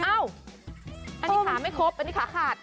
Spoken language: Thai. อันนี้ขาไม่ครบอันนี้ขาขาด